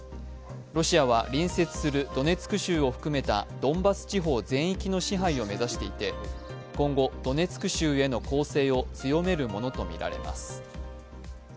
ロシアは隣接するドネツク州を含めたドンバス地方全域の支配を目指していて今後、ドネツク州への攻勢を強めるものとみられます。